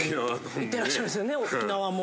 行ってらっしゃいますよね沖縄も？